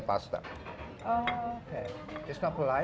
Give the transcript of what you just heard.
itu tidak berbakat